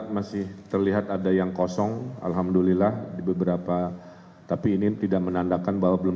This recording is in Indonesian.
masih terlihat ada yang kosong alhamdulillah di beberapa tapi ini tidak menandakan bahwa belum